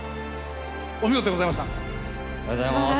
お見事でございました。